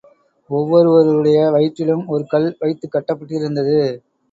ஒவ்வொருவருடைய வயிற்றிலும் ஒரு கல் வைத்துக் கட்டப்பட்டிருந்தது.